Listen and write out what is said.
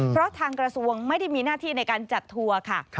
เพราะทางกระทรวงไม่ได้มีหน้าที่ในการจัดทัวร์ค่ะ